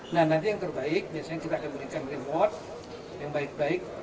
nah nanti yang terbaik biasanya kita akan berikan reward yang baik baik